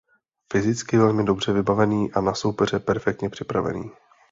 Fyzicky velmi dobře vybavený a na soupeře perfektně připravený.